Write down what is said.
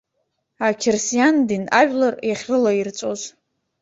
Ақьырсиан дин ажәлар иахьрылаирҵәоз.